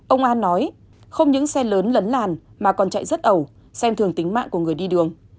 ông an nói không những xe lớn lấn làn mà còn chạy rất ẩu xem thường tính mạng của người đi đường